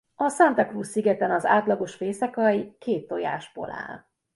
A Santa Cruz-szigeten az átlagos fészekalj két tojásból áll.